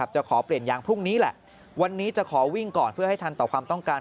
จะขอเปลี่ยนยางพรุ่งนี้แหละวันนี้จะขอวิ่งก่อนเพื่อให้ทันต่อความต้องการ